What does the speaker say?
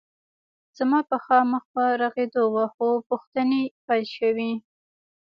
زما پښه مخ په روغېدو وه خو پوښتنې پیل شوې